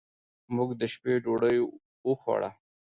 موږ د شپې ډوډۍ وخوړه.